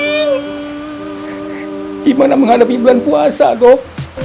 gimana menghadapi bulan puasa kok